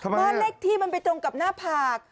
บ้านเลขที่มันไปตรงกับหน้าผาก